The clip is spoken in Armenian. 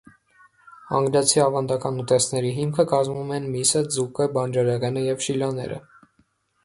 Անգլիայի ավանդական ուտեստների հիմքը կազմում են միսը, ձուկը, բանջարեղենը և շիլաները։